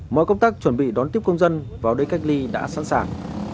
mọi công tác chuẩn bị đón tiếp công dân vào đây cách ly đã sẵn sàng